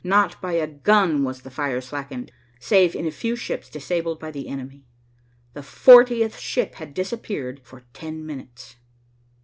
Not by a gun was the fire slackened, save in the few ships disabled by the enemy. The fortieth ship had disappeared for ten minutes.